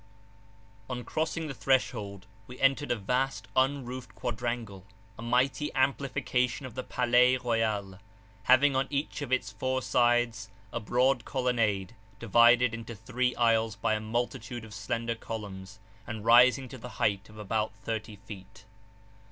On crossing the threshold we entered a vast unroofed quadrangle, a mighty amplification of the Palais Royal, having on each of its four sides a broad colonnade, divided into three aisles by a multitude of slender columns, and rising to the height of about thirty feet.